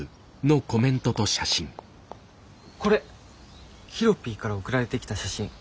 これヒロピーから送られてきた写真。